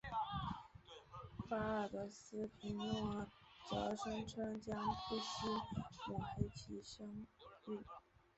巴尔德斯皮诺则声称将不惜抹黑其声誉。